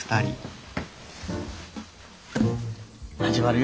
始まるよ。